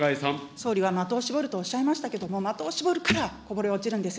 総理は的を絞るとおっしゃいましたけれども、的を絞るから、こぼれ落ちるんです。